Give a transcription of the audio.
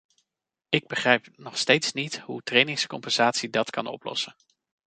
Ik begrijp nog steeds niet hoe trainingscompensatie dat kan oplossen.